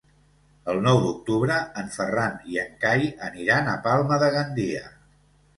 El nou d'octubre en Ferran i en Cai aniran a Palma de Gandia.